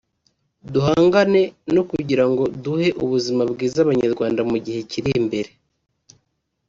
duhangane no kugira ngo duhe ubuzima bwiza Abanyarwanda mu gihe kiri imbere